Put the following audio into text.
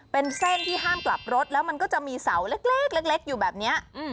เป็นเส้นที่ห้ามกลับรถแล้วมันก็จะมีเสาเล็กอยู่แบบนี้